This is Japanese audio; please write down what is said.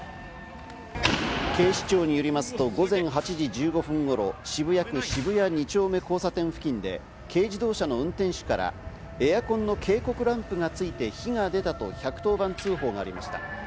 警視庁によりますと午前８時１５分頃、渋谷区渋谷２丁目交差点付近で、軽自動車の運転手からエアコンの警告ランプがついて火が出たと１１０番通報がありました。